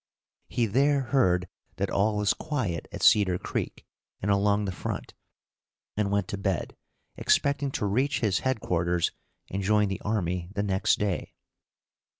He there heard that all was quiet at Cedar Creek and along the front, and went to bed, expecting to reach his headquarters and join the army the next day.